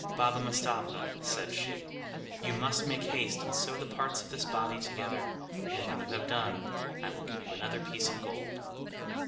"Baba Mustapha," said she, "you must make haste and sew the parts of this body together; and when you have done, I will give you another piece of gold."